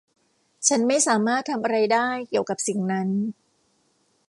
ฉันไม่สามารถทำอะไรได้เดี่ยวกับสิ่งนั้น